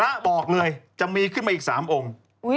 พระบอกเลยจะมีขึ้นมาอีก๓องค์